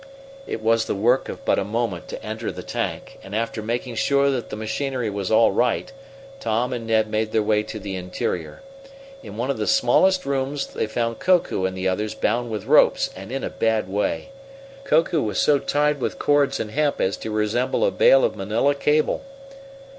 It was the work of but a moment to enter the tank, and, after making sure that the machinery was all right, Tom and Ned made their way to the interior. In one of the smallest rooms they found Koku and the others bound with ropes, and in a bad way. Koku was so tied with cords and hemp as to resemble a bale of Manilla cable.